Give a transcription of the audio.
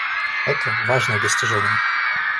Это — важное достижение.